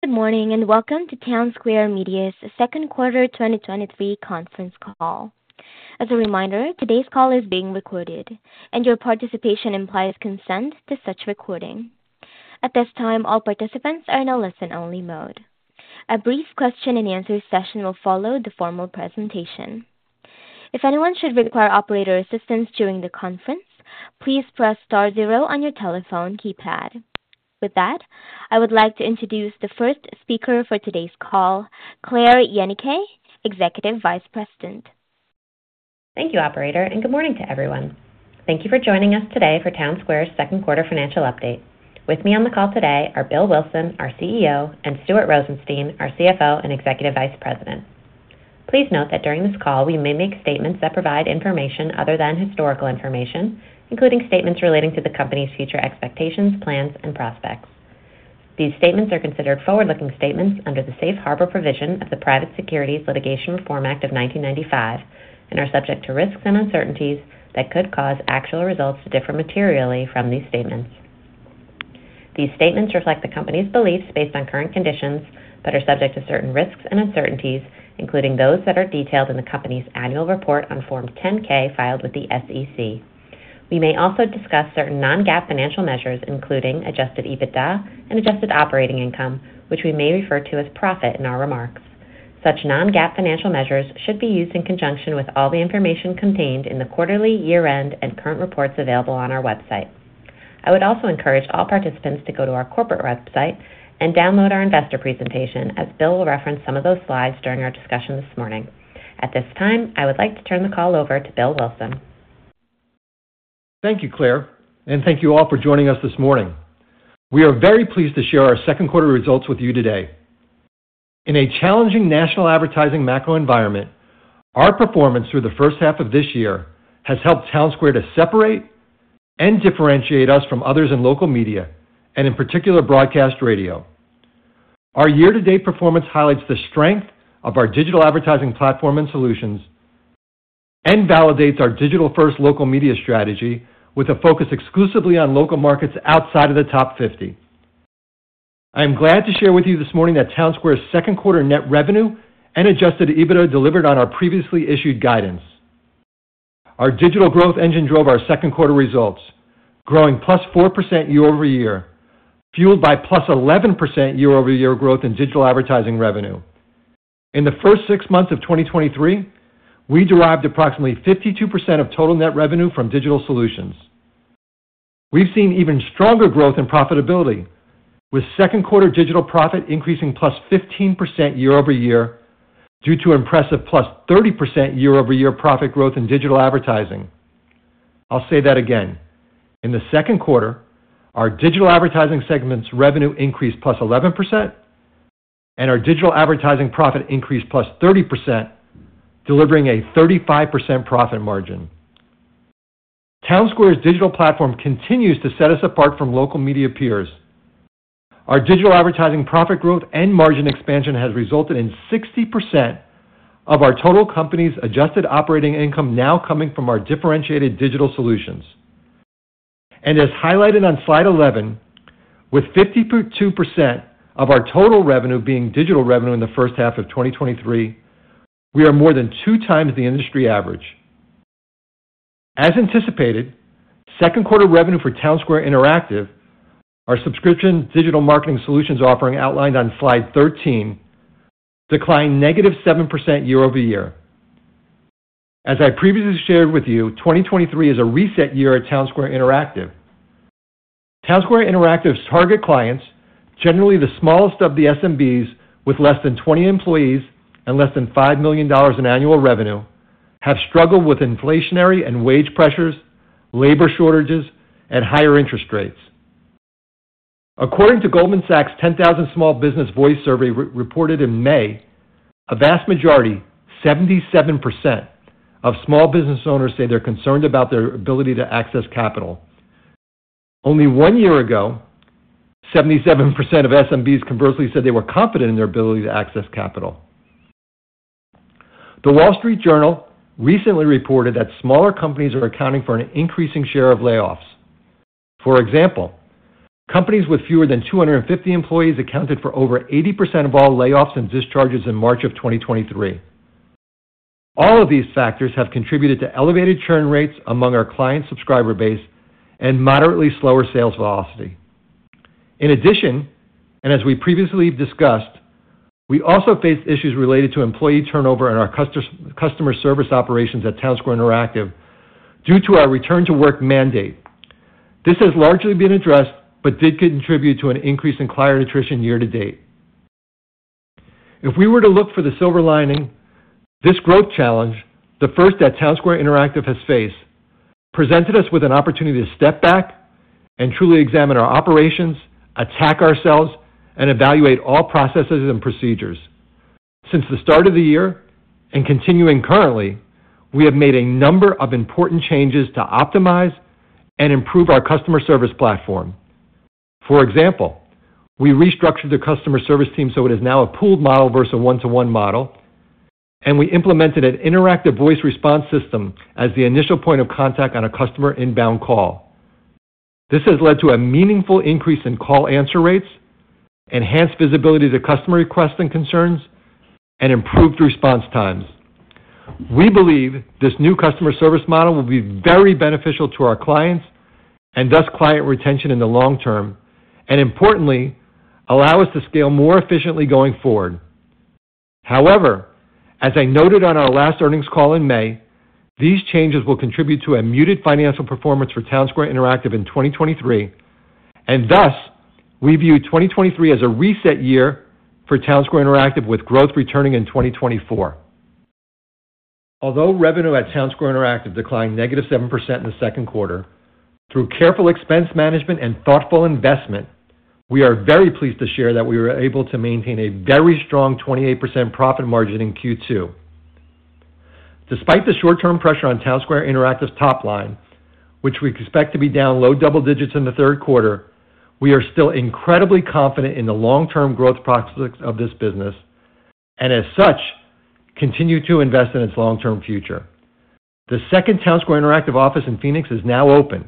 Good morning, welcome to Townsquare Media's second quarter 2023 conference call. As a reminder, today's call is being recorded, and your participation implies consent to such recording. At this time, all participants are in a listen-only mode. A brief question and answer session will follow the formal presentation. If anyone should require operator assistance during the conference, please press star zero on your telephone keypad. With that, I would like to introduce the first speaker for today's call, Claire Yenicay, Executive Vice President. Thank you, operator, and good morning to everyone. Thank you for joining us today for Townsquare's second quarter financial update. With me on the call today are Bill Wilson, our CEO, and Stuart Rosenstein, our CFO and Executive Vice President. Please note that during this call, we may make statements that provide information other than historical information, including statements relating to the company's future expectations, plans, and prospects. These statements are considered forward-looking statements under the safe harbor provision of the Private Securities Litigation Reform Act of 1995 and are subject to risks and uncertainties that could cause actual results to differ materially from these statements. These statements reflect the company's beliefs based on current conditions, but are subject to certain risks and uncertainties, including those that are detailed in the company's annual report on Form 10-K filed with the SEC. We may also discuss certain non-GAAP financial measures, including adjusted EBITDA and adjusted operating income, which we may refer to as profit in our remarks. Such non-GAAP financial measures should be used in conjunction with all the information contained in the quarterly, year-end, and current reports available on our website. I would also encourage all participants to go to our corporate website and download our investor presentation, as Bill will reference some of those slides during our discussion this morning. At this time, I would like to turn the call over to Bill Wilson. Thank you, Claire, thank you all for joining us this morning. We are very pleased to share our second quarter results with you today. In a challenging national advertising macro environment, our performance through the first half of this year has helped Townsquare to separate and differentiate us from others in local media and in particular, broadcast radio. Our year-to-date performance highlights the strength of our digital advertising platform and solutions and validates our digital-first local media strategy with a focus exclusively on local markets outside of the top 50. I am glad to share with you this morning that Townsquare's second quarter net revenue and adjusted EBITDA delivered on our previously issued guidance. Our digital growth engine drove our second quarter results, growing +4% year-over-year, fueled by +11% year-over-year growth in digital advertising revenue. In the first six months of 2023, we derived approximately 52% of total net revenue from digital solutions. We've seen even stronger growth in profitability, with second quarter digital profit increasing +15% year-over-year, due to impressive +30% year-over-year profit growth in digital advertising. I'll say that again. In the second quarter, our digital advertising segment's revenue increased +11%, and our digital advertising profit increased +30%, delivering a 35% profit margin. Townsquare's digital platform continues to set us apart from local media peers. Our digital advertising, profit growth and margin expansion has resulted in 60% of our total company's adjusted operating income now coming from our differentiated digital solutions. As highlighted on slide 11, with 52% of our total revenue being digital revenue in the first half of 2023, we are more than 2x the industry average. As anticipated, second quarter revenue for Townsquare Interactive, our subscription digital marketing solutions offering outlined on slide 13, declined -7% year-over-year. As I previously shared with you, 2023 is a reset year at Townsquare Interactive. Townsquare Interactive's target clients, generally the smallest of the SMBs with less than 20 employees and less than $5 million in annual revenue, have struggled with inflationary and wage pressures, labor shortages, and higher interest rates. According to Goldman Sachs' 10,000 Small Businesses Voices survey re-reported in May, a vast majority, 77% of small business owners say they're concerned about their ability to access capital. Only one year ago, 77% of SMBs conversely said they were confident in their ability to access capital. The Wall Street Journal recently reported that smaller companies are accounting for an increasing share of layoffs. For example, companies with fewer than 250 employees accounted for over 80% of all layoffs and discharges in March of 2023. All of these factors have contributed to elevated churn rates among our client subscriber base and moderately slower sales velocity. In addition, and as we previously discussed, we also faced issues related to employee turnover in our customer service operations at Townsquare Interactive due to our return to work mandate. This has largely been addressed, but did contribute to an increase in client attrition year to date. If we were to look for the silver lining, this growth challenge, the first that Townsquare Interactive has faced, presented us with an opportunity to step back and truly examine our operations, attack ourselves, and evaluate all processes and procedures. Since the start of the year and continuing currently, we have made a number of important changes to optimize and improve our customer service platform. For example, we restructured the customer service team, so it is now a pooled model versus a one-to-one model, and we implemented an interactive voice response system as the initial point of contact on a customer inbound call. This has led to a meaningful increase in call answer rates, enhanced visibility to customer requests and concerns, and improved response times. We believe this new customer service model will be very beneficial to our clients and thus client retention in the long term, and importantly, allow us to scale more efficiently going forward. As I noted on our last earnings call in May, these changes will contribute to a muted financial performance for Townsquare Interactive in 2023, and thus we view 2023 as a reset year for Townsquare Interactive, with growth returning in 2024. Although revenue at Townsquare Interactive declined -7% in Q2, through careful expense management and thoughtful investment, we are very pleased to share that we were able to maintain a very strong 28% profit margin in Q2. Despite the short-term pressure on Townsquare Interactive's top line, which we expect to be down low double digits in the third quarter, we are still incredibly confident in the long-term growth prospects of this business and as such, continue to invest in its long-term future. The second Townsquare Interactive office in Phoenix is now open,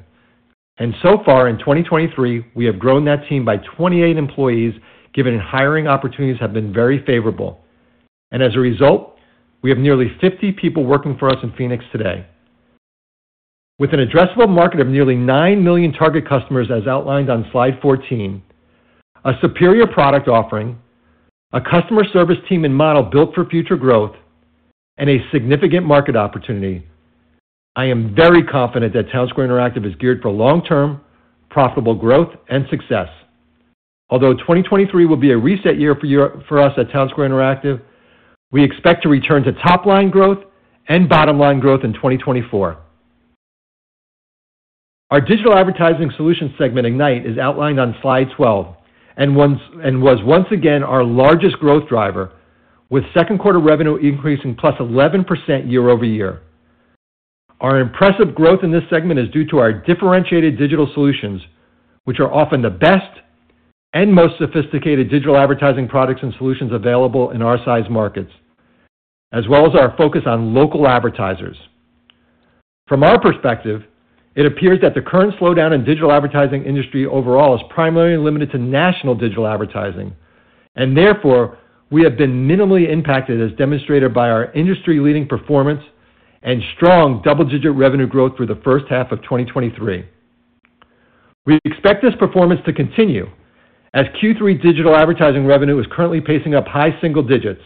so far in 2023, we have grown that team by 28 employees, given hiring opportunities have been very favorable. As a result, we have nearly 50 people working for us in Phoenix today. With an addressable market of nearly 9 million target customers, as outlined on slide 14, a superior product offering, a customer service team and model built for future growth, and a significant market opportunity, I am very confident that Townsquare Interactive is geared for long-term, profitable growth and success. Although 2023 will be a reset year for us at Townsquare Interactive, we expect to return to top line growth and bottom line growth in 2024. Our digital advertising solutions segment, Ignite, is outlined on Slide 12, and was once again our largest growth driver, with second quarter revenue increasing +11% year-over-year. Our impressive growth in this segment is due to our differentiated digital solutions, which are often the best and most sophisticated digital advertising products and solutions available in our size markets, as well as our focus on local advertisers. From our perspective, it appears that the current slowdown in digital advertising industry overall is primarily limited to national digital advertising, and therefore, we have been minimally impacted, as demonstrated by our industry-leading performance and strong double-digit revenue growth through the first half of 2023. We expect this performance to continue as Q3 digital advertising revenue is currently pacing up high single digits.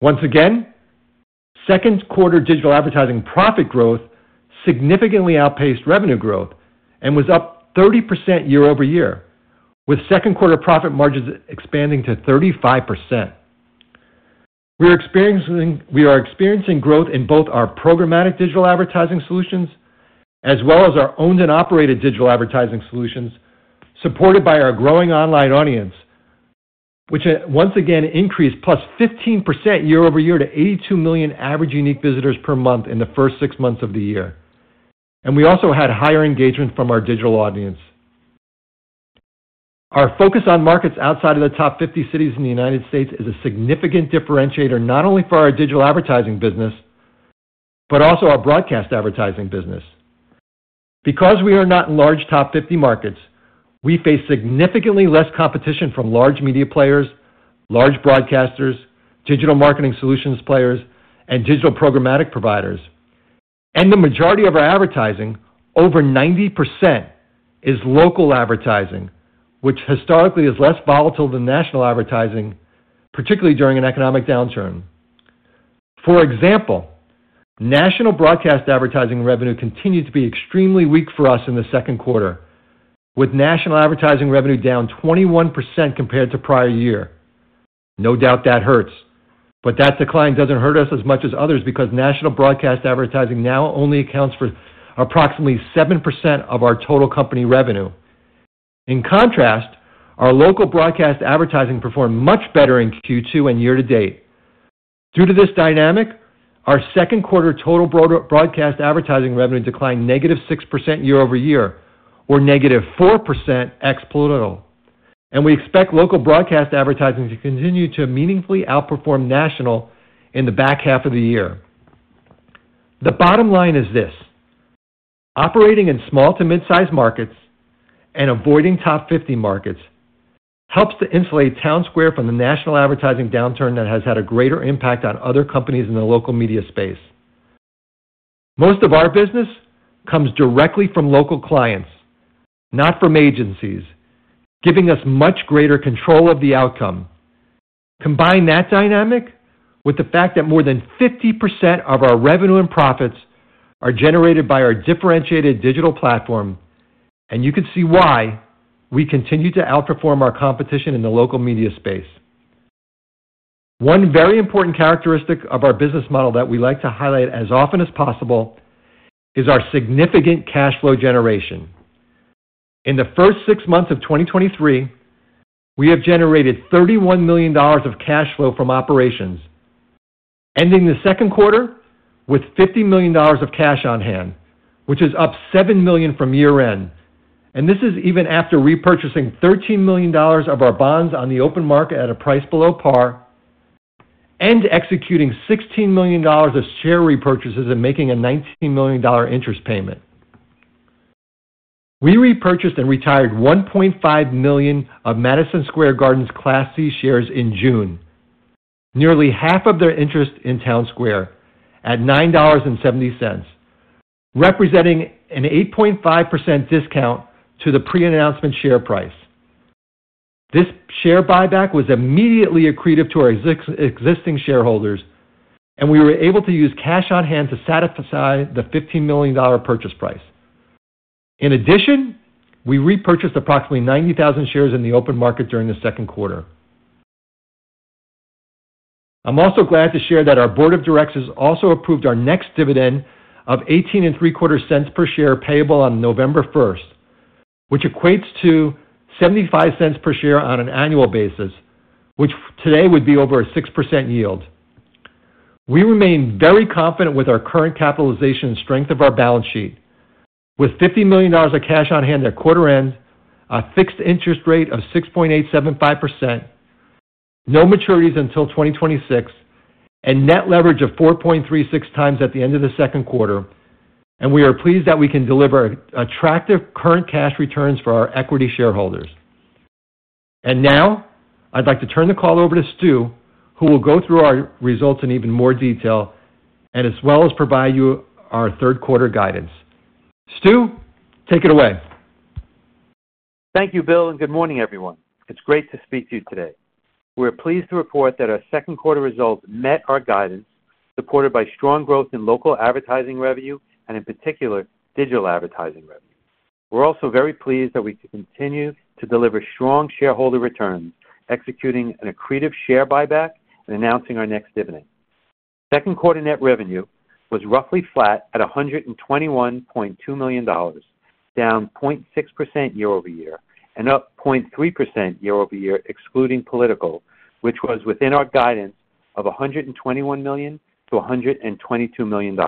Once again, second quarter digital advertising profit growth significantly outpaced revenue growth and was up 30% year-over-year, with second quarter profit margins expanding to 35%. We are experiencing growth in both our programmatic digital advertising solutions as well as our owned and operated digital advertising solutions, supported by our growing online audience, which once again increased +15% year-over-year to 82 million average unique visitors per month in the first six months of the year. We also had higher engagement from our digital audience. Our focus on markets outside of the top 50 cities in the United States is a significant differentiator, not only for our digital advertising business, but also our broadcast advertising business. Because we are not in large top 50 markets, we face significantly less competition from large media players, large broadcasters, digital marketing solutions players, and digital programmatic providers. The majority of our advertising, over 90%, is local advertising, which historically is less volatile than national advertising, particularly during an economic downturn. For example, national broadcast advertising revenue continued to be extremely weak for us in the second quarter, with national advertising revenue down 21% compared to prior year. No doubt, that hurts, but that decline doesn't hurt us as much as others because national broadcast advertising now only accounts for approximately 7% of our total company revenue. In contrast, our local broadcast advertising performed much better in Q2 and year to date. Due to this dynamic, our second quarter total broad-broadcast advertising revenue declined -6% year-over-year or -4% ex political, and we expect local broadcast advertising to continue to meaningfully outperform national in the back half of the year. The bottom line is this: operating in small to mid-size markets and avoiding top 50 markets helps to insulate Townsquare from the national advertising downturn that has had a greater impact on other companies in the local media space. Most of our business comes directly from local clients, not from agencies, giving us much greater control of the outcome. Combine that dynamic with the fact that more than 50% of our revenue and profits are generated by our differentiated digital platform, and you can see why we continue to outperform our competition in the local media space. One very important characteristic of our business model that we like to highlight as often as possible is our significant cash flow generation. In the first six months of 2023, we have generated $31 million of cash flow from operations, ending the second quarter with $50 million of cash on hand, which is up $7 million from year end. This is even after repurchasing $13 million of our bonds on the open market at a price below par, and executing $16 million of share repurchases and making a $19 million interest payment. We repurchased and retired 1.5 million of Madison Square Garden's Class C shares in June, nearly half of their interest in Townsquare, at $9.70, representing an 8.5% discount to the pre-announcement share price. This share buyback was immediately accretive to our existing shareholders, and we were able to use cash on hand to satisfy the $15 million purchase price. In addition, we repurchased approximately 90,000 shares in the open market during the second quarter. I'm also glad to share that our board of directors also approved our next dividend of $0.1875 per share, payable on November first, which equates to $0.75 per share on an annual basis, which today would be over a 6% yield. We remain very confident with our current capitalization and strength of our balance sheet, with $50 million of cash on hand at quarter end, a fixed interest rate of 6.875%, no maturities until 2026, and net leverage of 4.36x at the end of the second quarter, and we are pleased that we can deliver attractive current cash returns for our equity shareholders. Now, I'd like to turn the call over to Stu, who will go through our results in even more detail and as well as provide you our third quarter guidance. Stu, take it away. Thank you, Bill. Good morning, everyone. It's great to speak to you today. We're pleased to report that our second quarter results met our guidance, supported by strong growth in local advertising revenue and in particular, digital advertising revenue. We're also very pleased that we continue to deliver strong shareholder returns, executing an accretive share buyback and announcing our next dividend. Second quarter net revenue was roughly flat at $121.2 million, down 0.6% year-over-year and up 0.3% year-over-year, excluding political, which was within our guidance of $121 million-$122 million.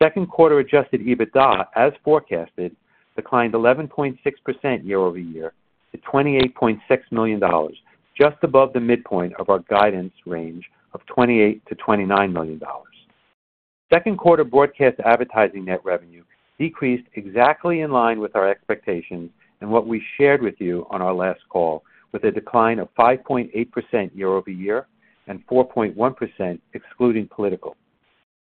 Second quarter adjusted EBITDA, as forecasted, declined 11.6% year-over-year to $28.6 million, just above the midpoint of our guidance range of $28 million-$29 million. Second quarter broadcast advertising net revenue decreased exactly in line with our expectations and what we shared with you on our last call, with a decline of 5.8% year-over-year and 4.1% excluding political.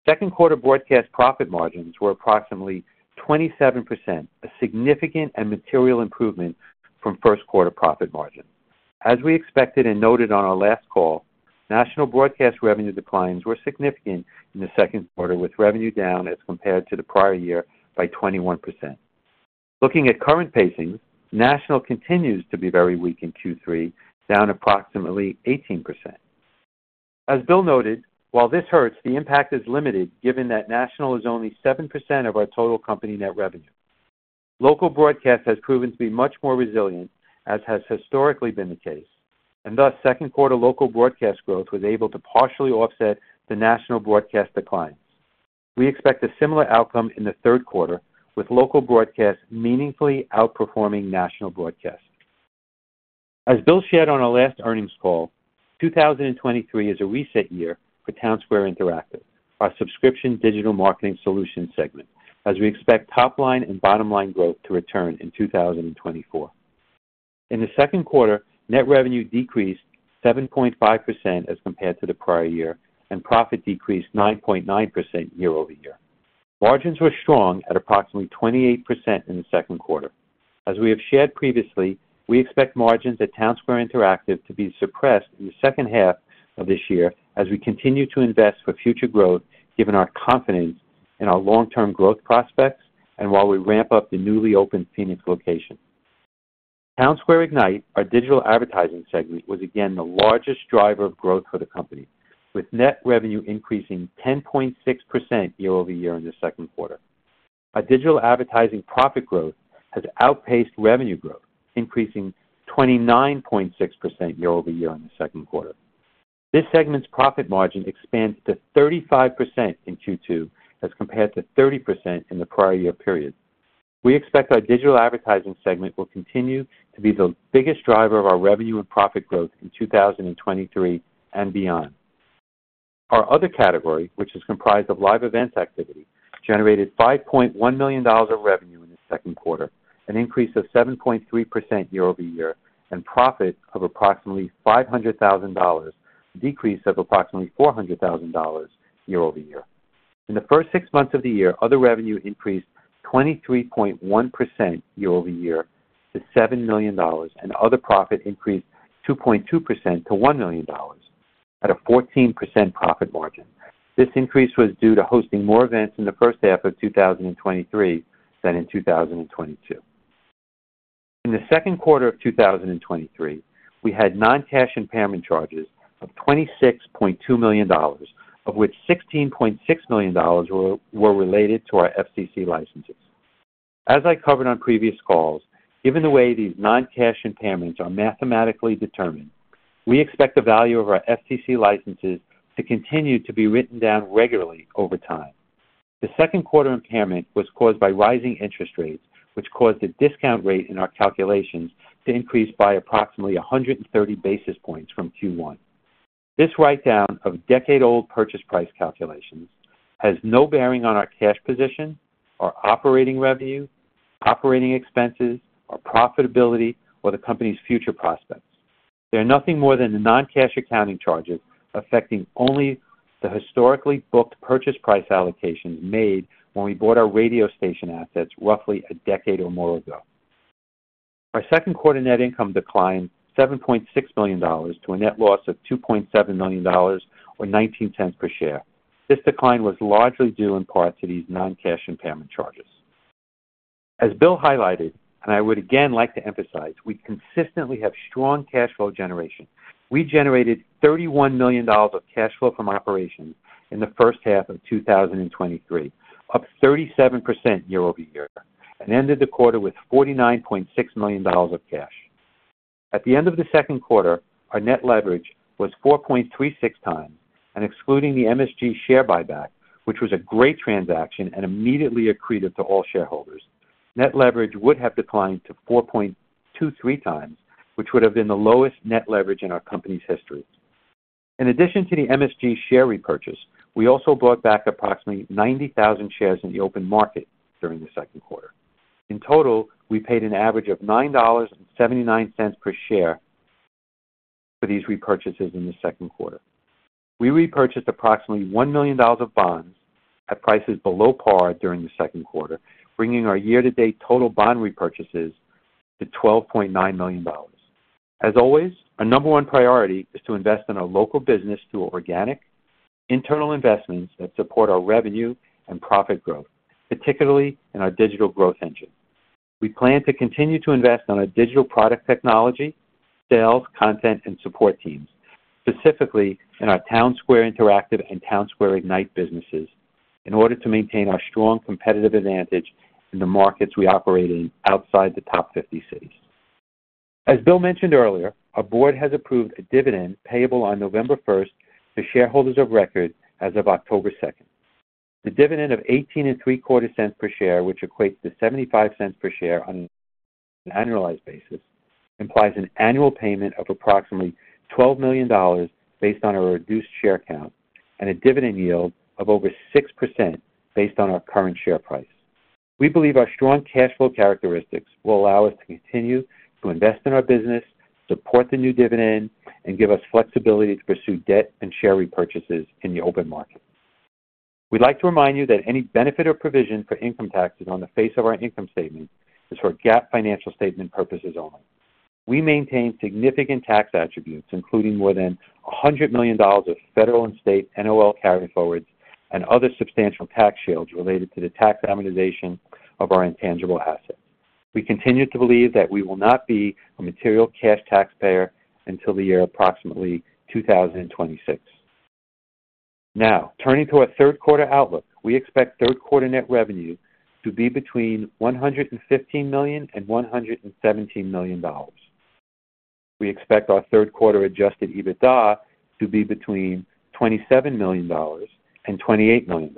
Second quarter broadcast profit margins were approximately 27%, a significant and material improvement from first quarter profit margin. As we expected and noted on our last call, national broadcast revenue declines were significant in the second quarter, with revenue down as compared to the prior year by 21%. Looking at current pacings, national continues to be very weak in Q3, down approximately 18%. As Bill noted, while this hurts, the impact is limited, given that national is only 7% of our total company net revenue. Local broadcast has proven to be much more resilient, as has historically been the case, thus, second quarter local broadcast growth was able to partially offset the national broadcast declines. We expect a similar outcome in the third quarter, with local broadcast meaningfully outperforming national broadcast. As Bill shared on our last earnings call, 2023 is a reset year for Townsquare Interactive, our subscription digital marketing solutions segment, as we expect top line and bottom line growth to return in 2024. In the second quarter, net revenue decreased 7.5% as compared to the prior year, profit decreased 9.9% year-over-year. Margins were strong at approximately 28% in the second quarter. As we have shared previously, we expect margins at Townsquare Interactive to be suppressed in the second half of this year as we continue to invest for future growth, given our confidence in our long-term growth prospects and while we ramp up the newly opened Phoenix location. Townsquare Ignite, our digital advertising segment, was again the largest driver of growth for the company, with net revenue increasing 10.6% year-over-year in the second quarter. Our digital advertising profit growth has outpaced revenue growth, increasing 29.6% year-over-year in the second quarter. This segment's profit margin expands to 35% in Q2 as compared to 30% in the prior year period. We expect our digital advertising segment will continue to be the biggest driver of our revenue and profit growth in 2023 and beyond. Our other category, which is comprised of live events activity, generated $5.1 million of revenue in the second quarter, an increase of 7.3% year-over-year, and profit of approximately $500,000, decrease of approximately $400,000 year-over-year. In the first six months of the year, other revenue increased 23.1% year-over-year to $7 million, and other profit increased 2.2% to $1 million at a 14% profit margin. This increase was due to hosting more events in the first half of 2023 than in 2022. In the second quarter of 2023, we had non-cash impairment charges of $26.2 million, of which $16.6 million were related to our FCC licenses. As I covered on previous calls, given the way these non-cash impairments are mathematically determined, we expect the value of our FCC licenses to continue to be written down regularly over time. The second quarter impairment was caused by rising interest rates, which caused the discount rate in our calculations to increase by approximately 130 basis points from Q1. This write-down of decade-old purchase price calculations has no bearing on our cash position, our operating revenue, operating expenses, our profitability, or the company's future prospects. They are nothing more than the non-cash accounting charges affecting only the historically booked purchase price allocations made when we bought our radio station assets roughly a decade or more ago. Our second quarter net income declined $7.6 million to a net loss of $2.7 million, or $0.19 per share. This decline was largely due in part to these non-cash impairment charges. As Bill highlighted, I would again like to emphasize, we consistently have strong cash flow generation. We generated $31 million of cash flow from operations in the first half of 2023, up 37% year-over-year, ended the quarter with $49.6 million of cash. At the end of the second quarter, our net leverage was 4.36x, excluding the MSG share buyback, which was a great transaction and immediately accreted to all shareholders. Net leverage would have declined to 4.23x, which would have been the lowest net leverage in our company's history. In addition to the MSG share repurchase, we also bought back approximately 90,000 shares in the open market during the second quarter. In total, we paid an average of $9.79 per share for these repurchases in the second quarter. We repurchased approximately $1 million of bonds at prices below par during the second quarter, bringing our year-to-date total bond repurchases to $12.9 million. As always, our number one priority is to invest in our local business through organic internal investments that support our revenue and profit growth, particularly in our digital growth engine. We plan to continue to invest on our digital product technology, sales, content and support teams, specifically in our Townsquare Interactive and Townsquare Ignite businesses, in order to maintain our strong competitive advantage in the markets we operate in outside the top 50 cities. As Bill mentioned earlier, our board has approved a dividend payable on November 1st to shareholders of record as of October 2nd. The dividend of $0.1875 per share, which equates to $0.75 per share on an annualized basis, implies an annual payment of approximately $12 million based on a reduced share count and a dividend yield of over 6% based on our current share price. We believe our strong cash flow characteristics will allow us to continue to invest in our business, support the new dividend, and give us flexibility to pursue debt and share repurchases in the open market. We'd like to remind you that any benefit or provision for income taxes on the face of our income statement is for GAAP financial statement purposes only. We maintain significant tax attributes, including more than $100 million of federal and state NOL carryforwards and other substantial tax shields related to the tax amortization of our intangible assets. We continue to believe that we will not be a material cash taxpayer until the year approximately 2026. Turning to our third quarter outlook, we expect third quarter net revenue to be between $115 million and $117 million. We expect our third quarter adjusted EBITDA to be between $27 million and $28 million.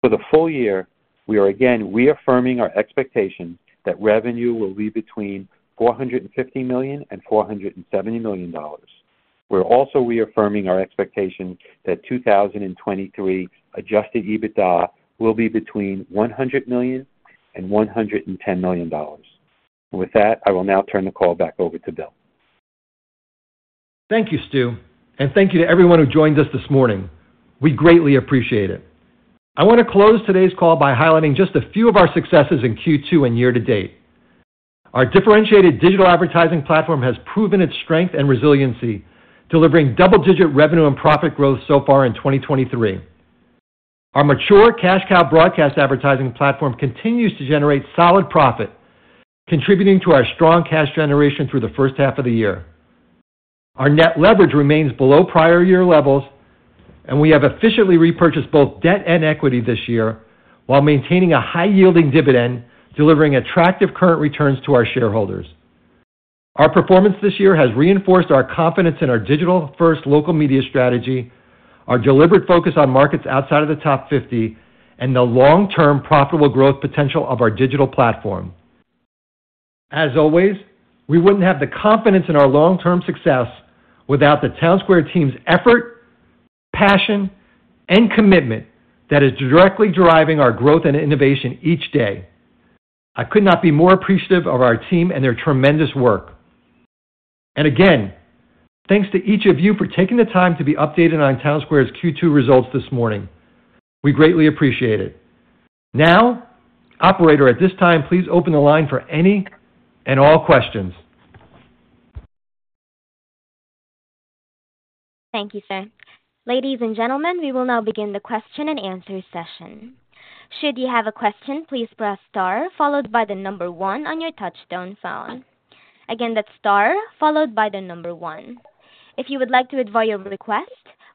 For the full year, we are again reaffirming our expectation that revenue will be between $450 million and $470 million. We're also reaffirming our expectation that 2023 adjusted EBITDA will be between $100 million and $110 million. With that, I will now turn the call back over to Bill. Thank you, Stu, and thank you to everyone who joined us this morning. We greatly appreciate it. I want to close today's call by highlighting just a few of our successes in Q2 and year to date. Our differentiated digital advertising platform has proven its strength and resiliency, delivering double-digit revenue and profit growth so far in 2023. Our mature cash cow broadcast advertising platform continues to generate solid profit, contributing to our strong cash generation through the first half of the year. Our net leverage remains below prior year levels, and we have efficiently repurchased both debt and equity this year while maintaining a high-yielding dividend, delivering attractive current returns to our shareholders. Our performance this year has reinforced our confidence in our digital-first local media strategy, our deliberate focus on markets outside of the top 50, and the long-term profitable growth potential of our digital platform. As always, we wouldn't have the confidence in our long-term success without the Townsquare team's effort, passion, and commitment that is directly driving our growth and innovation each day. I could not be more appreciative of our team and their tremendous work. Again, thanks to each of you for taking the time to be updated on Townsquare's Q2 results this morning. We greatly appreciate it. Operator, at this time, please open the line for any and all questions. Thank you, sir. Ladies and gentlemen, we will now begin the question and answer session. Should you have a question, please press star followed by one on your touchtone phone. Again, that's star followed by one. If you would like to withdraw your request,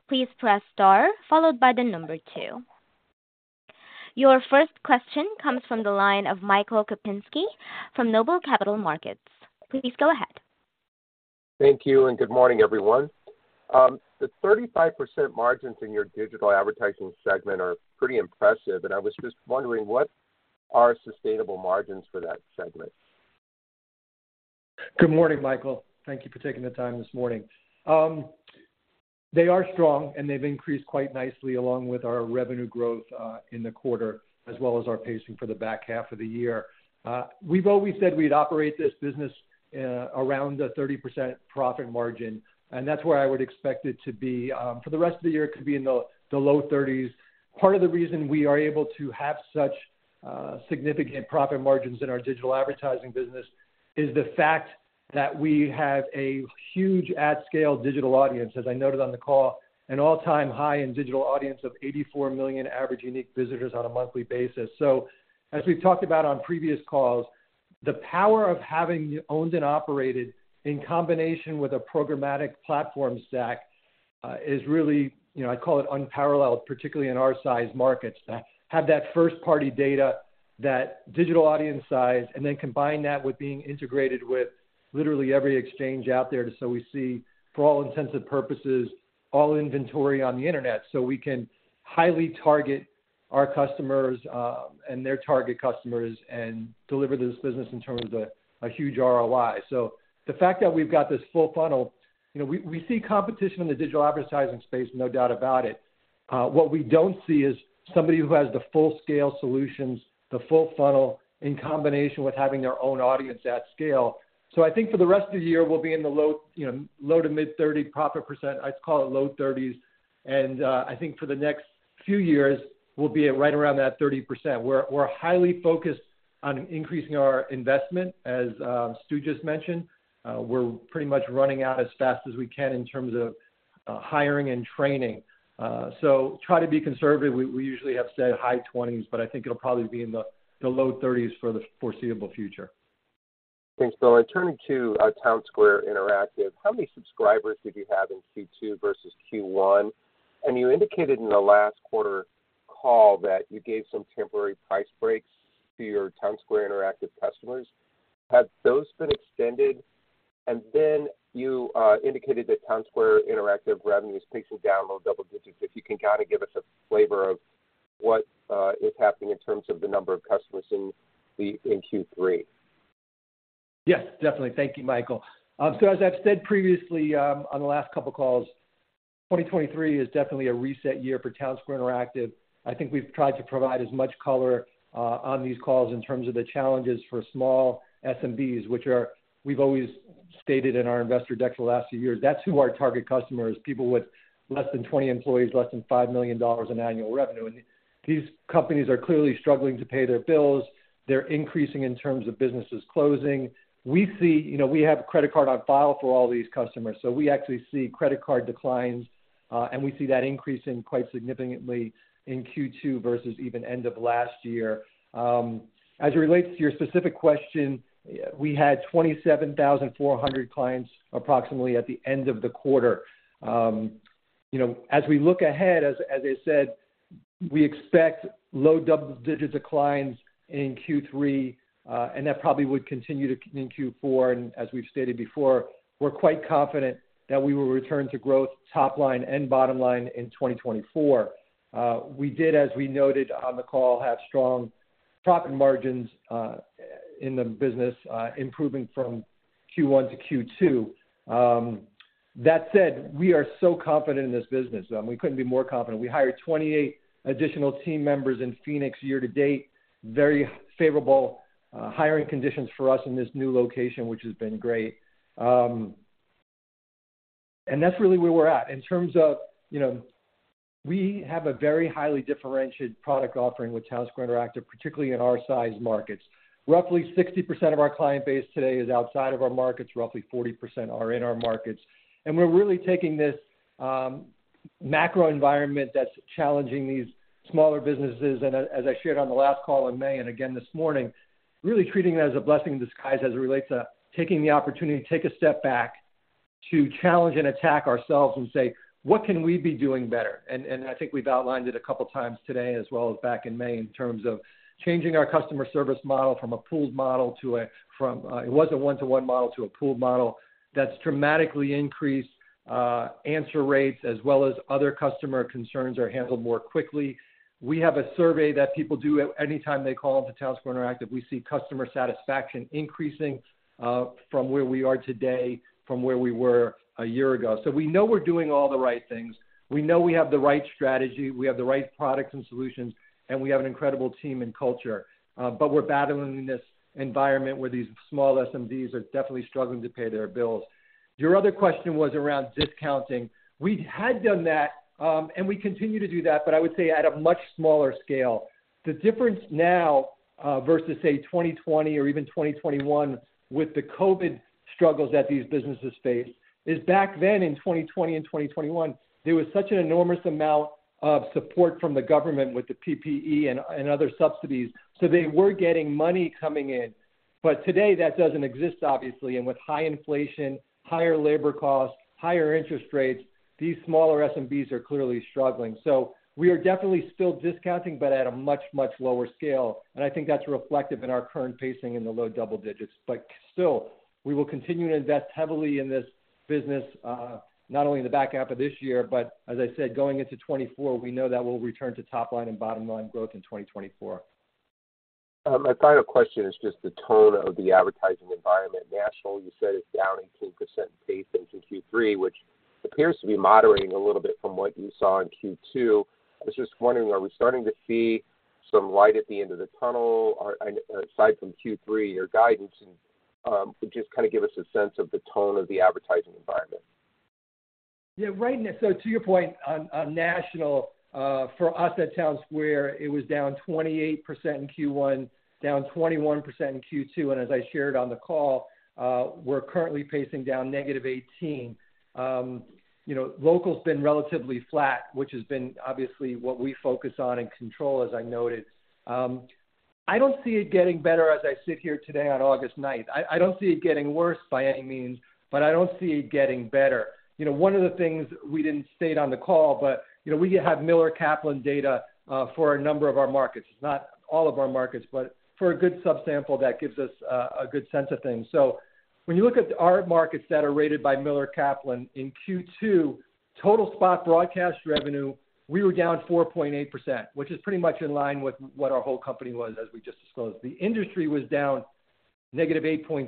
please press star followed by two. Your first question comes from the line of Michael Kupinski from Noble Capital Markets. Please go ahead. Thank you, and good morning, everyone. The 35% margins in your digital advertising segment are pretty impressive, and I was just wondering, what are sustainable margins for that segment? Good morning, Michael. Thank you for taking the time this morning. They are strong, and they've increased quite nicely along with our revenue growth, in the quarter, as well as our pacing for the back half of the year. We've always said we'd operate this business, around a 30% profit margin, and that's where I would expect it to be, for the rest of the year. It could be in the, the low 30s. Part of the reason we are able to have such, significant profit margins in our digital advertising business is the fact that we have a huge at-scale digital audience, as I noted on the call, an all-time high in digital audience of 84 million average unique visitors on a monthly basis. As we've talked about on previous calls, the power of having owned and operated in combination with a programmatic platform stack, is really, you know, I'd call it unparalleled, particularly in our size markets, that have that first-party data, that digital audience size, and then combine that with being integrated with literally every exchange out there. We see, for all intents and purposes, all inventory on the internet. We can highly target our customers, and their target customers and deliver this business in terms of a, a huge ROI. The fact that we've got this full funnel, you know, we, we see competition in the digital advertising space, no doubt about it. What we don't see is somebody who has the full-scale solutions, the full funnel, in combination with having their own audience at scale. I think for the rest of the year, we'll be in the low, you know, low to mid-30% profit. I'd call it low 30s, and I think for the next few years, we'll be right around that 30%. We're, we're highly focused on increasing our investment, as Stu just mentioned. We're pretty much running out as fast as we can in terms of hiring and training. Try to be conservative. We, we usually have said high 20s, but I think it'll probably be in the, the low 30s for the foreseeable future. Thanks, Bill. Turning to Townsquare Interactive, how many subscribers did you have in Q2 versus Q1? You indicated in the last quarter call that you gave some temporary price breaks to your Townsquare Interactive customers. Have those been extended? Then you indicated that Townsquare Interactive revenue is pacing down low double digits. If you can kind of give us a flavor of what is happening in terms of the number of customers in the, in Q3. Yes, definitely. Thank you, Michael. As I've said previously, on the last couple of calls, 2023 is definitely a reset year for Townsquare Interactive. I think we've tried to provide as much color on these calls in terms of the challenges for small SMBs, which are we've always stated in our investor deck for the last few years, that's who our target customer is, people with less than 20 employees, less than $5 million in annual revenue. These companies are clearly struggling to pay their bills. They're increasing in terms of businesses closing. We see, you know, we have a credit card on file for all these customers, so we actually see credit card declines, and we see that increasing quite significantly in Q2 versus even end of last year. As it relates to your specific question, we had 27,400 clients, approximately, at the end of the quarter. You know, as we look ahead, as, as I said, we expect low double-digit declines in Q3, and that probably would continue to in Q4. As we've stated before, we're quite confident that we will return to growth top line and bottom line in 2024. We did, as we noted on the call, have strong profit margins in the business, improving from Q1 to Q2. That said, we are so confident in this business, we couldn't be more confident. We hired 28 additional team members in Phoenix year-to-date. Very favorable hiring conditions for us in this new location, which has been great. That's really where we're at. In terms of, you know, we have a very highly differentiated product offering with Townsquare Interactive, particularly in our size markets. Roughly 60% of our client base today is outside of our markets. Roughly 40% are in our markets. We're really taking this macro environment that's challenging these smaller businesses, and as, as I shared on the last call in May and again this morning, really treating it as a blessing in disguise as it relates to taking the opportunity to take a step back, to challenge and attack ourselves and say: What can we be doing better? I think we've outlined it a couple of times today, as well as back in May, in terms of changing our customer service model from a one-to-one model to a pooled model. That's dramatically increased, answer rates as well as other customer concerns are handled more quickly. We have a survey that people do anytime they call into Townsquare Interactive, we see customer satisfaction increasing, from where we are today from where we were a year ago. We know we're doing all the right things. We know we have the right strategy, we have the right products and solutions, and we have an incredible team and culture. We're battling this environment where these small SMBs are definitely struggling to pay their bills. Your other question was around discounting. We had done that, and we continue to do that, but I would say at a much smaller scale. The difference now, versus, say, 2020 or even 2021, with the COVID struggles that these businesses face, is back then in 2020 and 2021, there was such an enormous amount of support from the government with the PPP and other subsidies, so they were getting money coming in. Today, that doesn't exist, obviously, and with high inflation, higher labor costs, higher interest rates, these smaller SMBs are clearly struggling. We are definitely still discounting, but at a much, much lower scale, and I think that's reflective in our current pacing in the low double digits. Still, we will continue to invest heavily in this business, not only in the back half of this year, but as I said, going into 2024, we know that we'll return to top line and bottom line growth in 2024. My final question is just the tone of the advertising environment. National, you said it's down 18% pace into Q3, which appears to be moderating a little bit from what you saw in Q2. I was just wondering, are we starting to see some light at the end of the tunnel or, aside from Q3, your guidance, just kind of give us a sense of the tone of the advertising environment? Yeah, right. To your point, on, on national, for us, at Townsquare, it was down 28% in Q1, down 21% in Q2, and as I shared on the call, we're currently pacing down -18%. You know, local's been relatively flat, which has been obviously what we focus on and control, as I noted. I don't see it getting better as I sit here today on August 9th. I don't see it getting worse by any means, but I don't see it getting better. You know, one of the things we didn't state on the call, but, you know, we have Miller Kaplan data for a number of our markets, not all of our markets, but for a good sub-sample, that gives us a good sense of things. When you look at our markets that are rated by Miller Kaplan, in Q2, total spot broadcast revenue, we were down 4.8%, which is pretty much in line with what our whole company was, as we just disclosed. The industry was down -8.6%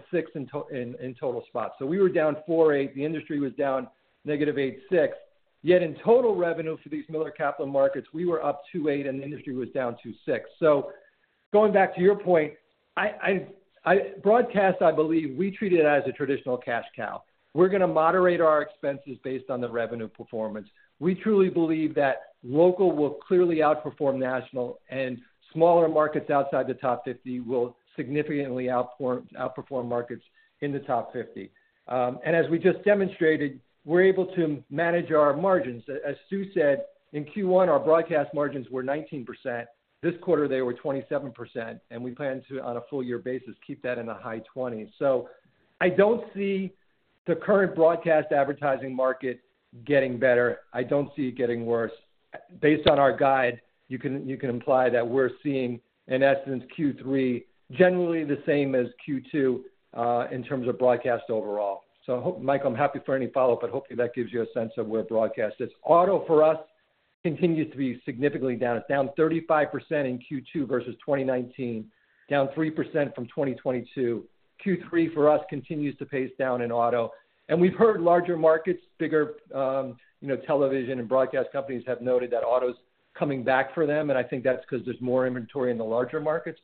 in total spots. We were down 4.8%, the industry was down -8.6%. Yet in total revenue for these Miller Kaplan markets, we were up 2.8%, and the industry was down 2.6%. Going back to your point, broadcast, I believe we treat it as a traditional cash cow. We're going to moderate our expenses based on the revenue performance. We truly believe that local will clearly outperform national, and smaller markets outside the top 50 will significantly outperform markets in the top 50. As we just demonstrated, we're able to manage our margins. As Stu said, in Q1, our broadcast margins were 19%. This quarter, they were 27%. We plan to, on a full year basis, keep that in the high 20s. I don't see the current broadcast advertising market getting better. I don't see it getting worse. Based on our guide, you can, you can imply that we're seeing, in essence, Q3, generally the same as Q2, in terms of broadcast overall. Mike, I'm happy for any follow-up, but hopefully, that gives you a sense of where broadcast is. Auto, for us, continues to be significantly down. It's down 35% in Q2 versus 2019, down 3% from 2022. Q3 for us continues to pace down in auto, and we've heard larger markets, bigger, you know, television and broadcast companies have noted that auto's coming back for them, and I think that's because there's more inventory in the larger markets.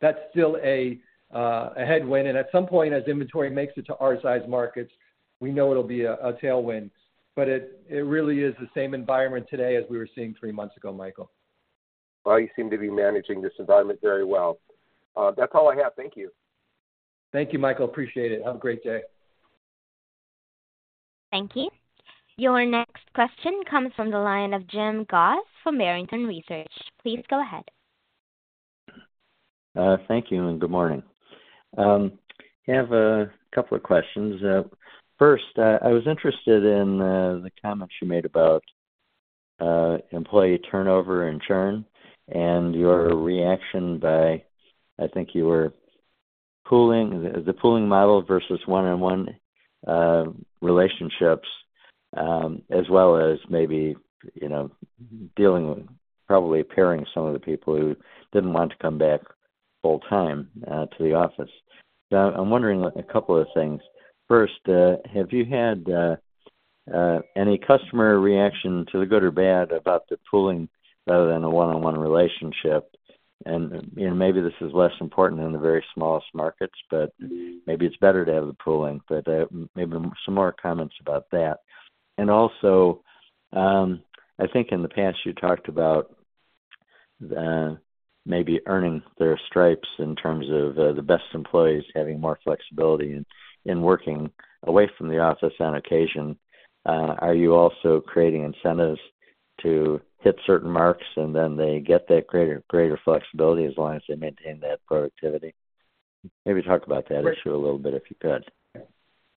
That's still a, a headwind, and at some point, as inventory makes it to our size markets, we know it'll be a, a tailwind. It, it really is the same environment today as we were seeing three months ago, Michael. Well, you seem to be managing this environment very well. That's all I have. Thank you. Thank you, Michael. Appreciate it. Have a great day. Thank you. Your next question comes from the line of Jim Goss from Barrington Research. Please go ahead. Thank you, and good morning. I have a couple of questions. First, I was interested in the comments you made about employee turnover and churn and your reaction by, I think you were pooling, the pooling model versus one-on-one relationships, as well as maybe, you know, dealing with probably pairing some of the people who didn't want to come back full-time to the office. Now, I'm wondering a couple of things. First, have you had any customer reaction to the good or bad about the pooling rather than a one-on-one relationship? And, you know, maybe this is less important in the very smallest markets, but maybe it's better to have the pooling. But, maybe some more comments about that. Also, I think in the past you talked about, maybe earning their stripes in terms of, the best employees having more flexibility in working away from the office on occasion. Are you also creating incentives to hit certain marks, and then they get that greater, greater flexibility as long as they maintain that productivity? Maybe talk about that issue a little bit, if you could.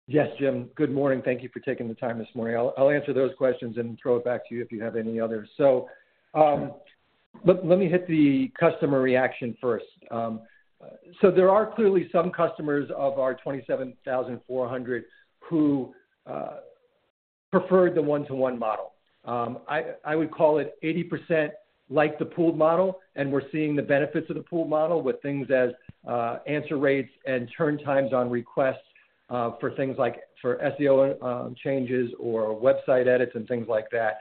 Yes, Jim. Good morning. Thank you for taking the time this morning. I'll, I'll answer those questions and throw it back to you if you have any others. Let, let me hit the customer reaction first. There are clearly some customers of our 27,400 who preferred the one-to-one model. I, I would call it 80% like the pooled model, and we're seeing the benefits of the pooled model with things as answer rates and turn times on requests for things like for SEO changes or website edits and things like that.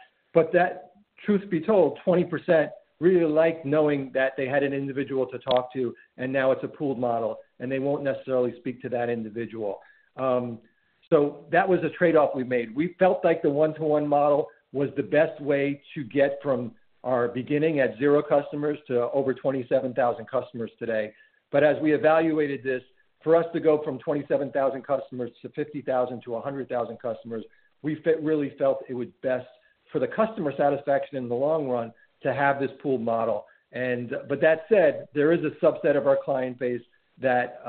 That, truth be told, 20% really like knowing that they had an individual to talk to, and now it's a pooled model, and they won't necessarily speak to that individual. That was a trade-off we made. We felt like the one-to-one model was the best way to get from our beginning at zero customers to over 27,000 customers today. As we evaluated this, for us to go from 27,000 customers to 50,000 to 100,000 customers, we really felt it would best for the customer satisfaction in the long run to have this pooled model. That said, there is a subset of our client base that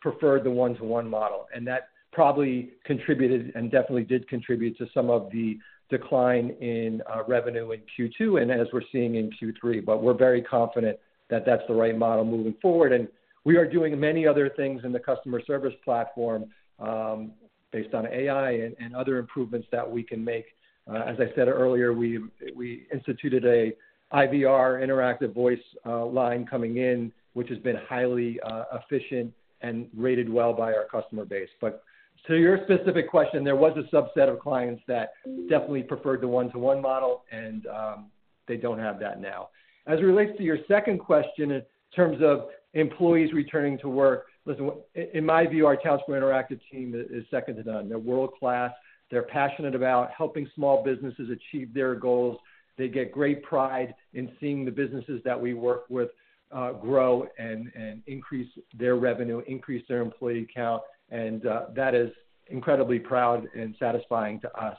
preferred the one-to-one model, and that probably contributed and definitely did contribute to some of the decline in revenue in Q2, and as we're seeing in Q3. We're very confident that that's the right model moving forward. We are doing many other things in the customer service platform, based on AI and, and other improvements that we can make. As I said earlier, we, we instituted a IVR, interactive voice line coming in, which has been highly efficient and rated well by our customer base. To your specific question, there was a subset of clients that definitely preferred the one-to-one model, and they don't have that now. As it relates to your second question, in terms of employees returning to work, listen, in my view, our Townsquare Interactive team is, is second to none. They're world-class. They're passionate about helping small businesses achieve their goals. They get great pride in seeing the businesses that we work with, grow and, and increase their revenue, increase their employee count, and that is incredibly proud and satisfying to us.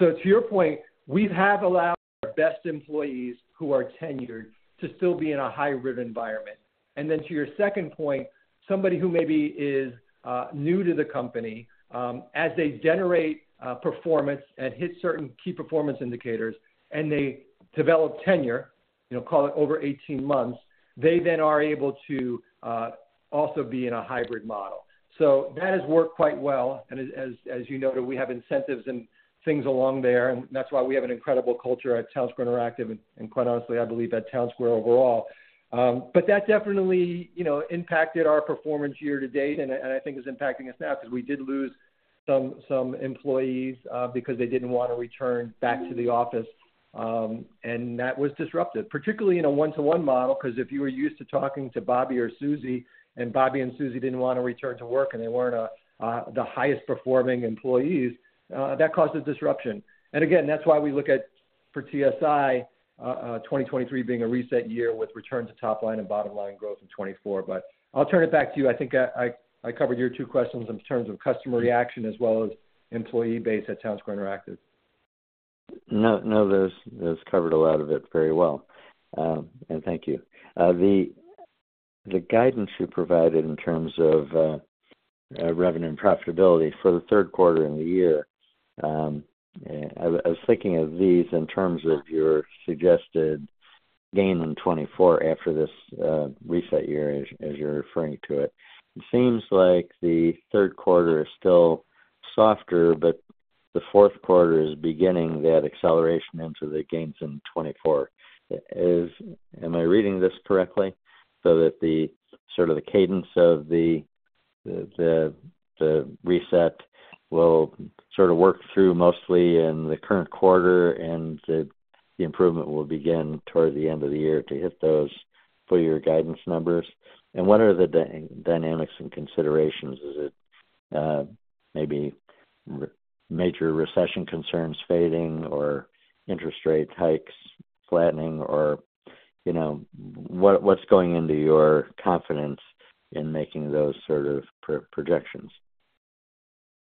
To your point, we have allowed our best employees who are tenured to still be in a hybrid environment. Then to your second point, somebody who maybe is new to the company, as they generate performance and hit certain key performance indicators, and they develop tenure, you know, call it over 18 months, they then are able to also be in a hybrid model. That has worked quite well. As, as, as you noted, we have incentives and things along there, and that's why we have an incredible culture at Townsquare Interactive, and, quite honestly, I believe, at Townsquare overall. But that definitely, you know, impacted our performance year to date, and I, and I think is impacting us now, because we did lose some, some employees, because they didn't want to return back to the office. That was disruptive, particularly in a one-to-one model, because if you were used to talking to Bobby or Susie, and Bobby and Susie didn't want to return to work, and they weren't the highest-performing employees, that causes disruption. Again, that's why we look at, for TSI, 2023 being a reset year with return to top line and bottom line growth in 2024. I'll turn it back to you. I think I, I, I covered your two questions in terms of customer reaction as well as employee base at Townsquare Interactive. No, no, those, those covered a lot of it very well. Thank you. The guidance you provided in terms of revenue and profitability for the third quarter and the year, I was thinking of these in terms of your suggested gain in 2024 after this reset year, as you're referring to it. It seems like the third quarter is still softer, but the fourth quarter is beginning that acceleration into the gains in 2024. Am I reading this correctly, so that the sort of the cadence of the, the, the, the reset will sort of work through mostly in the current quarter, and the, the improvement will begin toward the end of the year to hit those full year guidance numbers? What are the dynamics and considerations? Is it, maybe major recession concerns fading or interest rate hikes flattening or, you know, what, what's going into your confidence in making those sort of projections?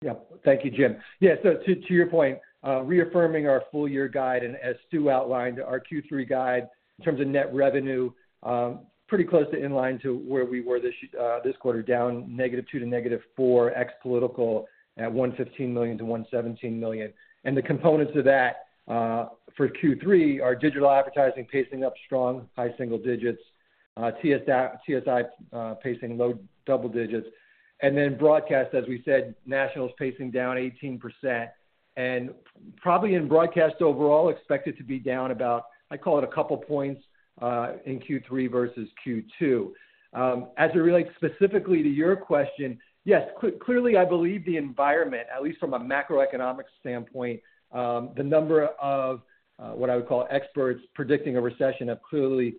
Yeah. Thank you, Jim. Yeah, so to, to your point, reaffirming our full year guide, as Stu outlined, our Q3 guide in terms of net revenue, pretty close to in line to where we were this quarter, down -2% to -4% ex political at $115 million-$117 million. The components of that, for Q3 are digital advertising pacing up strong, high single digits, TSI, pacing low double digits. Broadcast, as we said, national is pacing down 18%. Probably in broadcast overall, expect it to be down about, I call it, a couple points, in Q3 versus Q2. As it relates specifically to your question, yes, clearly, I believe the environment, at least from a macroeconomic standpoint, the number of what I would call experts predicting a recession, have clearly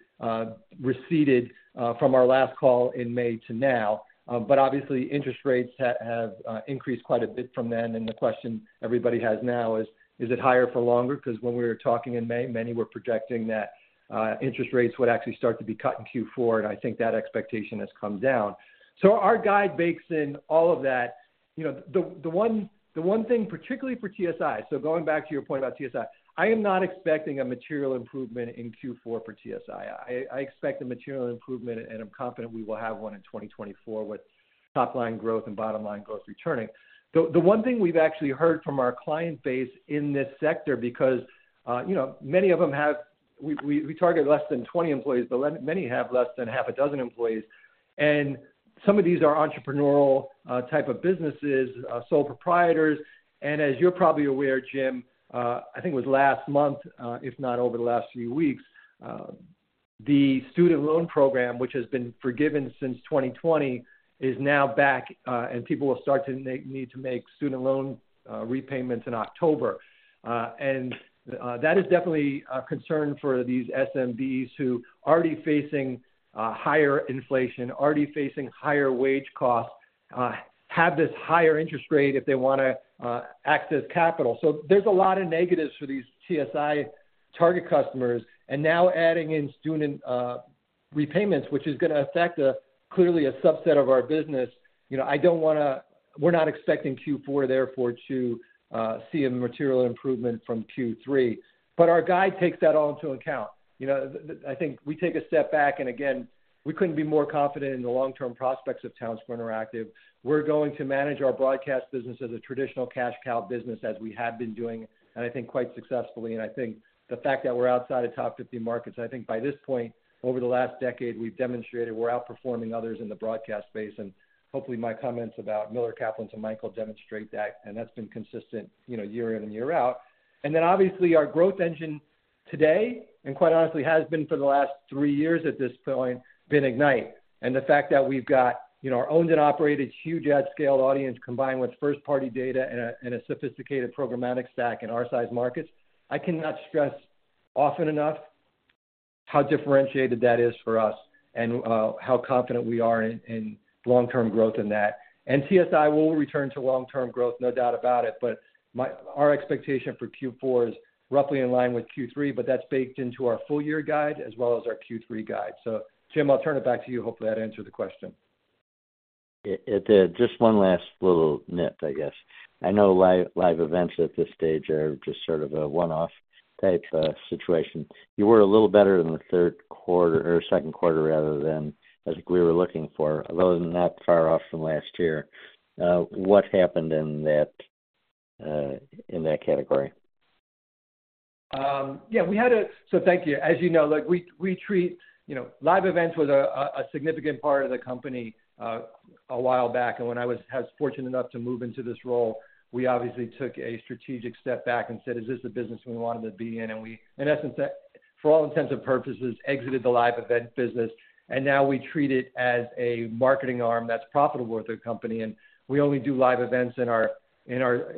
receded from our last call in May to now. Obviously, interest rates have increased quite a bit from then, and the question everybody has now is: Is it higher for longer? Because when we were talking in May, many were projecting that interest rates would actually start to be cut in Q4. I think that expectation has come down. Our guide bakes in all of that. You know, the one thing, particularly for TSI. Going back to your point about TSI, I am not expecting a material improvement in Q4 for TSI. I, I expect a material improvement, and I'm confident we will have one in 2024 with top line growth and bottom line growth returning. The, the one thing we've actually heard from our client base in this sector, because, you know, many of them have, we, we, we target less than 20 employees, but many have less than six employees. Some of these are entrepreneurial, type of businesses, sole proprietors. As you're probably aware, Jim, I think it was last month, if not over the last few weeks, the student loan program, which has been forgiven since 2020, is now back, and people will start to need to make student loan repayments in October. That is definitely a concern for these SMBs who already facing higher inflation, already facing higher wage costs, have this higher interest rate if they want to access capital. There's a lot of negatives for these TSI target customers, and now adding in student repayments, which is going to affect clearly a subset of our business. You know, we're not expecting Q4, therefore, to see a material improvement from Q3. Our guide takes that all into account. You know, I think we take a step back, and again, we couldn't be more confident in the long-term prospects of Townsquare Interactive. We're going to manage our broadcast business as a traditional cash cow business, as we have been doing, and I think quite successfully. I think the fact that we're outside of top 50 markets, I think by this point, over the last decade, we've demonstrated we're outperforming others in the broadcast space. Hopefully, my comments about Miller Kaplan to Michael demonstrate that, and that's been consistent, you know, year in and year out. Obviously, our growth engine today, and quite honestly, has been for the last three years at this point, been Ignite. The fact that we've got, you know, our owned and operated huge ad scale audience, combined with first-party data and a, and a sophisticated programmatic stack in our size markets, I cannot stress often enough how differentiated that is for us and how confident we are in, in long-term growth in that. TSI will return to long-term growth, no doubt about it. Our expectation for Q4 is roughly in line with Q3, but that's baked into our full year guide as well as our Q3 guide. Jim, I'll turn it back to you. Hopefully, that answered the question. It, it did. Just one last little nit, I guess. I know live, live events at this stage are just sort of a one-off type situation. You were a little better than the third quarter or second quarter, rather, than, I think we were looking for, other than that, far off from last year. What happened in that in that category? Yeah, we had Thank you. As you know, like, we, we treat, you know, live events with a significant part of the company a while back. When I was, has fortunate enough to move into this role, we obviously took a strategic step back and said, Is this the business we wanted to be in? We, in essence, for all intents and purposes, exited the live event business, and now we treat it as a marketing arm that's profitable to the company, and we only do live events in our, in our,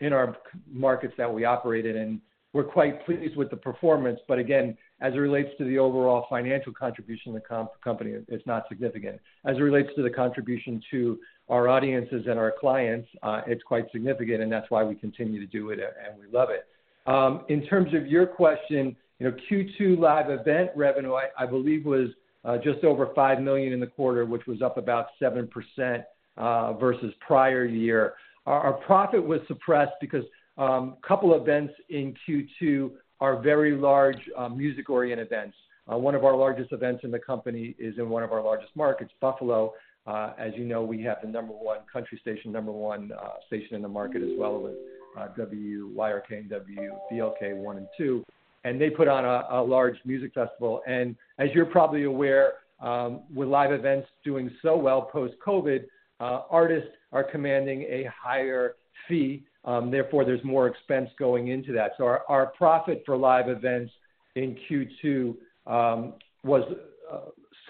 in our markets that we operate in. We're quite pleased with the performance, but again, as it relates to the overall financial contribution to the company, it's not significant. As it relates to the contribution to our audiences and our clients, it's quite significant, and that's why we continue to do it, and we love it. In terms of your question, you know, Q2 live event revenue, I, I believe, was just over $5 million in the quarter, which was up about 7% versus prior year. Our, our profit was suppressed because a couple events in Q2 are very large, music-oriented events. One of our largest events in the company is in one of our largest markets, Buffalo. As you know, we have the number one country station, number one station in the market, as well as WYRK and WBLK one and two, and they put on a large music festival. As you're probably aware, with live events doing so well post-COVID, artists are commanding a higher fee, therefore, there's more expense going into that. Our, our profit for live events in Q2 was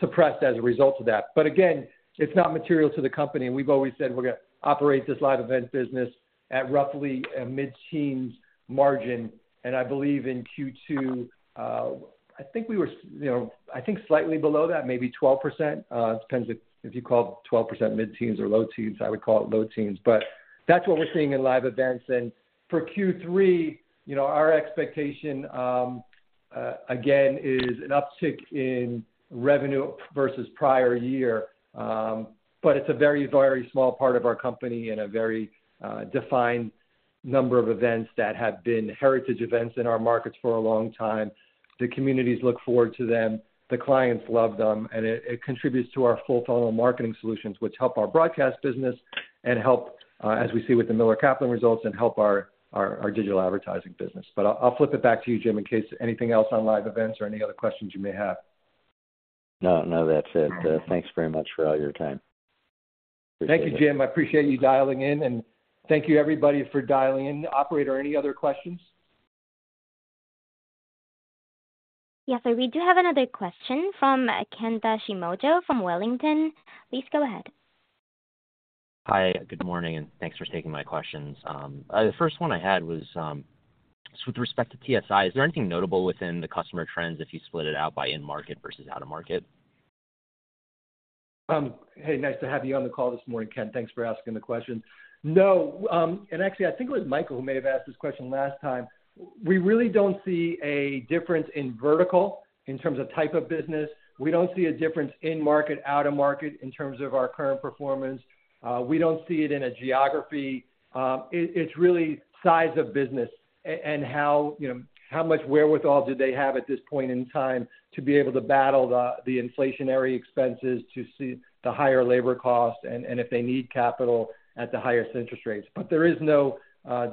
suppressed as a result of that. Again, it's not material to the company, and we've always said we're gonna operate this live event business at roughly a mid-teens margin. I believe in Q2, I think we were, you know, I think slightly below that, maybe 12%. It depends if, if you call 12% mid-teens or low teens. I would call it low teens. That's what we're seeing in live events. For Q3, you know, our expectation, again, is an uptick in revenue versus prior year. It's a very, very small part of our company and a very defined number of events that have been heritage events in our markets for a long time. The communities look forward to them, the clients love them, and it, it contributes to our full funnel marketing solutions, which help our broadcast business and help, as we see with the Miller Kaplan results, and help our, our, our digital advertising business. I'll, I'll flip it back to you, Jim, in case anything else on live events or any other questions you may have. No, no, that's it. Thanks very much for all your time. Thank you, Jim. I appreciate you dialing in, and thank you everybody for dialing in. Operator, any other questions? Yes, sir, we do have another question from Kent Shimojo from Wellington. Please go ahead. Hi, good morning, and thanks for taking my questions. The first one I had was, with respect to TSI, is there anything notable within the customer trends if you split it out by in-market versus out-of-market? Hey, nice to have you on the call this morning, Kent. Thanks for asking the question. No, actually, I think it was Michael who may have asked this question last time. We really don't see a difference in vertical in terms of type of business. We don't see a difference in-market, out-of-market in terms of our current performance. We don't see it in a geography. It, it's really size of business and, and how, you know, how much wherewithal do they have at this point in time to be able to battle the, the inflationary expenses, to see the higher labor costs, and, and if they need capital at the highest interest rates. There is no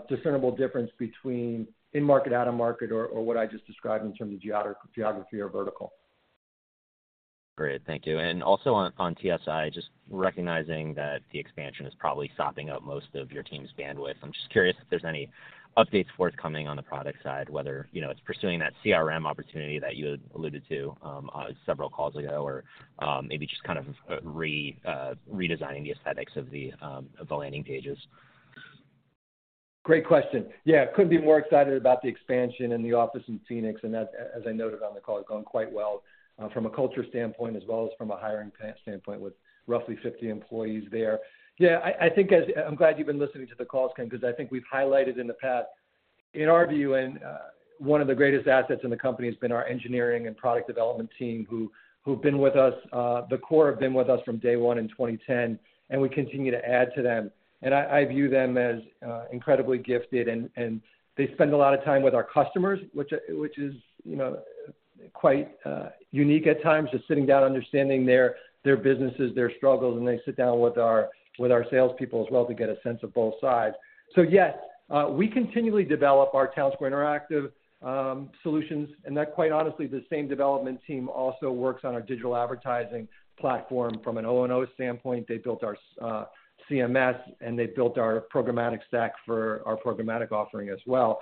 discernible difference between in-market, out-of-market or, or what I just described in terms of geography or vertical. Great, thank you. Also on, on TSI, just recognizing that the expansion is probably sopping up most of your team's bandwidth. I'm just curious if there's any updates forthcoming on the product side, whether, you know, it's pursuing that CRM opportunity that you had alluded to, several calls ago, or, maybe just kind of redesigning the aesthetics of the landing pages. Great question. Yeah, couldn't be more excited about the expansion in the office in Phoenix, and that, as, as I noted on the call, is going quite well, from a culture standpoint as well as from a hiring standpoint with roughly 50 employees there. Yeah, I, I think as, I'm glad you've been listening to the calls, Kent, because I think we've highlighted in the past, in our view, and one of the greatest assets in the company has been our engineering and product development team, who, who've been with us, the core have been with us from day one in 2010, and we continue to add to them. I, I view them as incredibly gifted, and, and they spend a lot of time with our customers, which, which is, you know. Quite unique at times, just sitting down, understanding their, their businesses, their struggles, and they sit down with our, with our salespeople as well to get a sense of both sides. Yes, we continually develop our Townsquare Interactive solutions, and that, quite honestly, the same development team also works on our digital advertising platform from an O&O standpoint. They built our CMS, and they built our programmatic stack for our programmatic offering as well.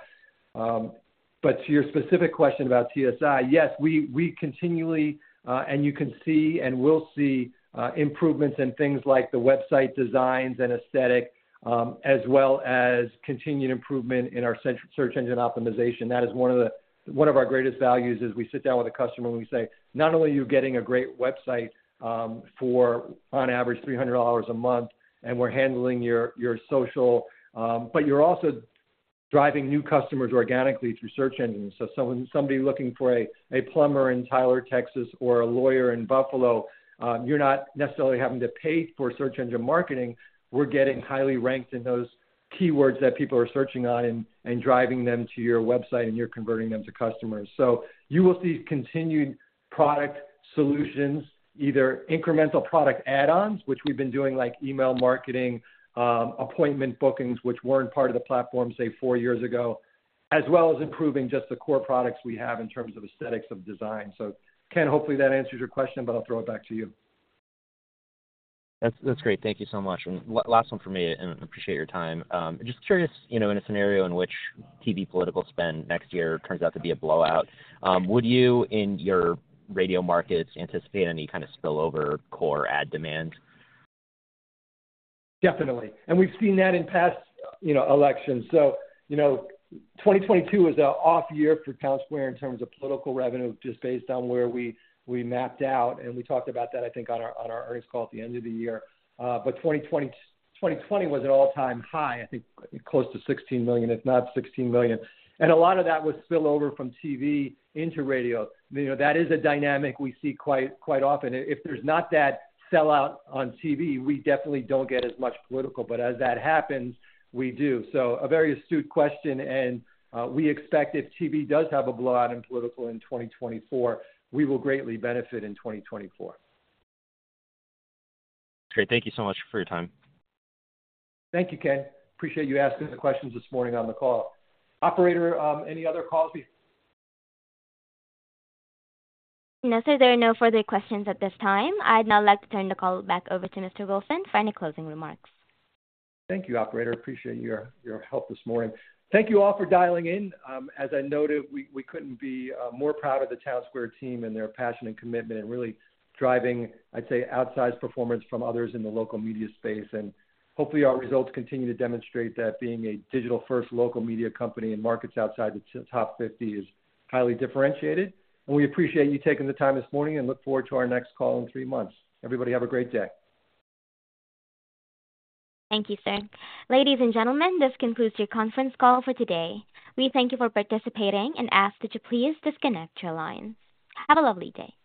To your specific question about TSI, yes, we, we continually, and you can see, and we'll see improvements in things like the website designs and aesthetic, as well as continued improvement in our search, search engine optimization. That is one of our greatest values, is we sit down with a customer and we say, not only are you getting a great website, for on average, $300 a month, and we're handling your, your social, but you're also driving new customers organically through search engines. Someone looking for a plumber in Tyler, Texas, or a lawyer in Buffalo, you're not necessarily having to pay for search engine marketing. We're getting highly ranked in those keywords that people are searching on and driving them to your website, and you're converting them to customers. You will see continued product solutions, either incremental product add-ons, which we've been doing, like email marketing, appointment bookings, which weren't part of the platform, say, four years ago, as well as improving just the core products we have in terms of aesthetics of design. Kent, hopefully, that answers your question, but I'll throw it back to you. That's, that's great. Thank you so much. La-last one for me, and I appreciate your time. Just curious, you know, in a scenario in which TV political spend next year turns out to be a blowout, would you, in your radio markets, anticipate any kind of spill over core ad demand? Definitely, we've seen that in past, you know, elections. You know, 2022 is an off year for Townsquare in terms of political revenue, just based on where we, we mapped out, and we talked about that, I think, on our, on our earnings call at the end of the year. 2020, 2020 was an all-time high, I think close to $16 million, if not $16 million, and a lot of that was spill over from TV into radio. You know, that is a dynamic we see quite, quite often. If there's not that sellout on TV, we definitely don't get as much political, but as that happens, we do. A very astute question, and we expect if TV does have a blowout in political in 2024, we will greatly benefit in 2024. Great. Thank you so much for your time. Thank you, Kent. Appreciate you asking the questions this morning on the call. Operator, any other calls? No, sir, there are no further questions at this time. I'd now like to turn the call back over to Mr. Wilson for any closing remarks. Thank you, Operator. Appreciate your, your help this morning. Thank you all for dialing in. As I noted, we, we couldn't be more proud of the Townsquare team and their passion and commitment in really driving, I'd say, outsized performance from others in the local media space. Hopefully, our results continue to demonstrate that being a digital-first local media company in markets outside the top 50 is highly differentiated, and we appreciate you taking the time this morning and look forward to our next call in three months. Everybody, have a great day. Thank you, sir. Ladies and gentlemen, this concludes your conference call for today. We thank you for participating and ask that you please disconnect your line. Have a lovely day.